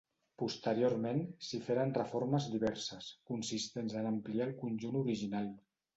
Posteriorment, s'hi feren reformes diverses, consistents en ampliar el conjunt original.